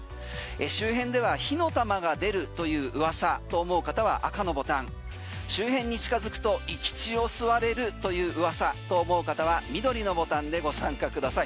周辺では火の玉が出るという噂と思う方は赤のボタン周辺に近づくと生き血を吸われるという噂と思う方は緑のボタンでご参加ください。